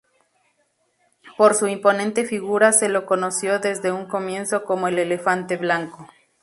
Por su imponente figura se lo conoció desde un comienzo como el Elefante Blanco.